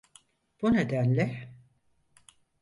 Bu nedenle…